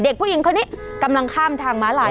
ผู้หญิงคนนี้กำลังข้ามทางม้าลาย